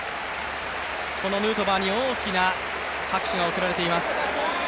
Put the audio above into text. ヌートバーに大きな拍手が送られています。